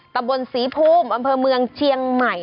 ตำบลศรีภูมิอำเภอเมืองเชียงใหม่